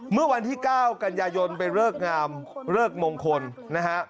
เมื่อวันที่๙กันยายนไปเลิกงามเลิกมงคลนะฮะ